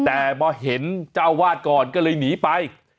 แบบเห็นเจ้าวาดก่อนเลยหนีไป